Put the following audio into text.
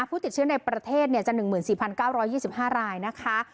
ผู้ติดเชื้อในประเทศจะ๑๔๙๒๕รายนะคะ